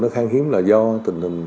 nó khang hiếm là do tình hình